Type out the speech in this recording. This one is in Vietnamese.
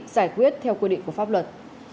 giải quyết theo quy định của pháp luật